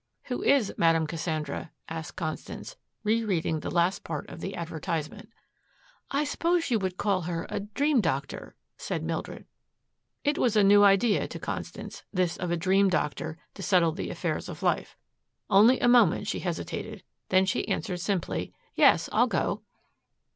"Who is Madame Cassandra?" asked Constance, rereading the last part of the advertisement. "I suppose you would call her a dream doctor," said Mildred. It was a new idea to Constance, this of a dream doctor to settle the affairs of life. Only a moment she hesitated, then she answered simply, "Yes, I'll go."